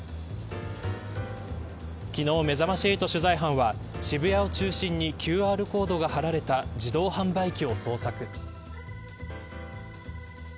昨日、めざまし８取材班は渋谷を中心にＱＲコードが貼られた自動販売機を捜索。